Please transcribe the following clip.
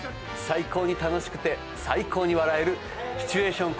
最高に楽しくて最高に笑えるシチュエーション